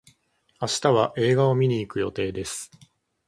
明日は映画を見に行く予定です。